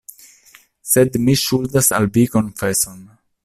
Sed mi ŝuldas al vi konfeson.